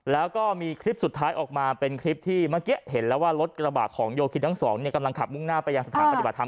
แล้วก็มีคลิปสุดท้ายออกมาเป็นคลิปที่เมื่อกี้เห็นแล้วว่ารถกระบะของโยคินทั้งสองกำลังขับมุ่งหน้าไปยังสถานปฏิบัติธรรม